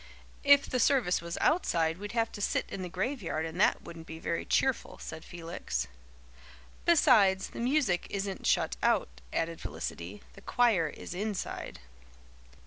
"If the service was outside we'd have to sit in the graveyard and that wouldn't be very cheerful," said Felix. "Besides, the music isn't shut out," added Felicity. "The choir is inside."